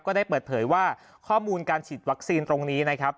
ก็ได้เปิดเผยว่าข้อมูลการฉีดวัคซีนตรงนี้นะครับ